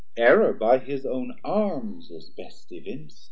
Error by his own arms is best evinc't.